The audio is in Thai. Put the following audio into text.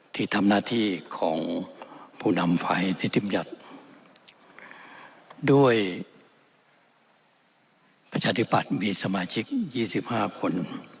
ที่ทำหน้าที่ของผู้นำไฟในธิบยัตรด้วยประชาธิบัตรมีสมาชิก๒๕คน